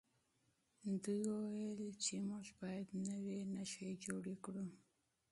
دوی وویل چې موږ باید نوي نښې جوړې کړو.